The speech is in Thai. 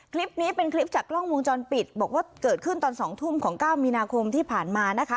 คลิปนี้เป็นคลิปจากกล้องวงจรปิดบอกว่าเกิดขึ้นตอน๒ทุ่มของเก้ามีนาคมที่ผ่านมานะคะ